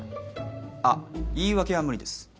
あっ言い訳は無理です。